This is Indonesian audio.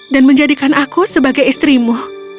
dan menjadikan aku sebagai istrimu